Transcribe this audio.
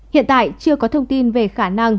hiện tại chưa có thông tin về khả năng